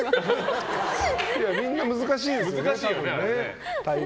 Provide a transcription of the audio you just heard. みんな難しいですよね。